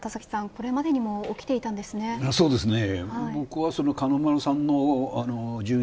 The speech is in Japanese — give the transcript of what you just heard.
これまでにも起きていたんですね。